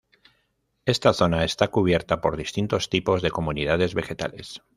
Esta zona está cubierta por distintos tipos de comunidades vegetales.